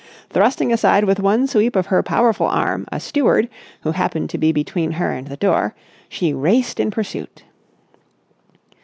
Thrusting aside with one sweep of her powerful arm a steward who happened to be between her and the door, she raced in pursuit.